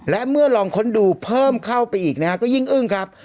และเมื่อลองค้นดูเพิ่มเข้าไปอีกนะฮะก็ยิ่งอึ้งครับ